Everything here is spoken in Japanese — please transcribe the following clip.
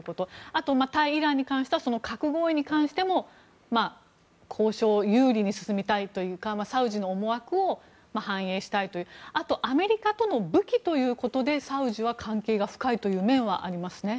あとは対イランに関して核合意に関しても交渉を有利に進めたいというかサウジの思惑を反映したいというあと、アメリカと武器というのでサウジは関係が深いという面はありますね。